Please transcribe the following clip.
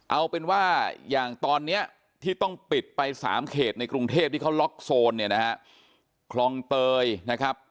เอาเป็นว่าอย่างตอนนี้ที่ต้องปิดไปสามเขตในกรุงเทพที่เขาล็อกโซนเนี่ยนะฮะคลองเตยนะครับ